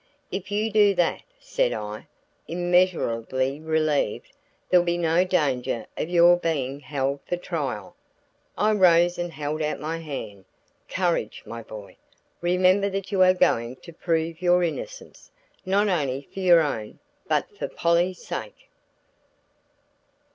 "If you do that," said I, immeasurably relieved, "there'll be no danger of your being held for trial." I rose and held out my hand. "Courage, my boy; remember that you are going to prove your innocence, not only for your own, but for Polly's sake."